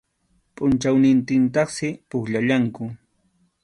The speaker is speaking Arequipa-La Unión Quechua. Pʼunchawnintintaqsi pukllallanku.